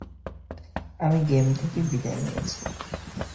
আমি গেম থেকে বিদায় নিয়েছি।